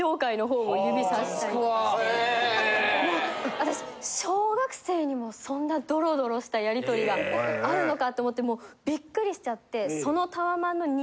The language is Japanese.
私小学生にもそんなドロドロしたやりとりがあるのかと思ってもうビックリしちゃって。